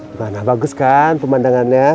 gimana bagus kan pemandangannya